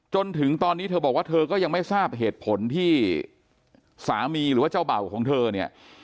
จนถึงตอนนี้เธอบอกว่าเธอก็ยังไม่ทราบเหตุผลที่สามีหรือว่าเจ้าเบ่าของเธอเนี่ย